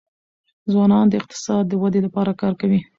ځوانان د اقتصاد د ودي لپاره کار کوي.